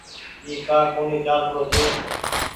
اي ڪآ ڪونيٚ چآلرو ڇي۔